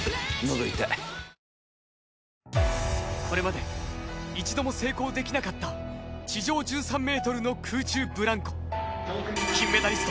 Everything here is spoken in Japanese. これまで一度も成功できなかった地上１３ｍの空中ブランコ。